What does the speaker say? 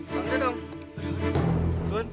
bang udah dong